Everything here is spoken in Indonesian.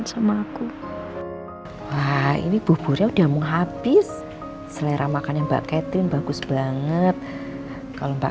sama aku ini buburnya udah mau habis selera makannya mbak catherine bagus banget kalau mbak